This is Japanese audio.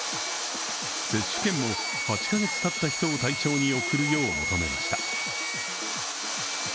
接種券も、８カ月たった人を対象に送るよう求めました。